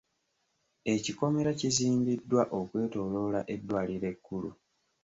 Ekikomera kizimbiddwa okwetooloola eddwaliro ekkulu.